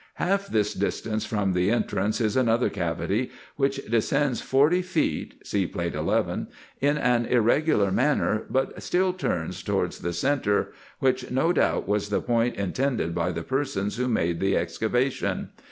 Half this distance from the entrance is another cavity, which descends forty feet (See Plate 11), in an irregular manner, but still turns towards the centre, which no doubt was the point intended by the persons who made the ex cavation.